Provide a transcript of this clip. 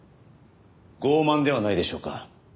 傲慢ではないでしょうか。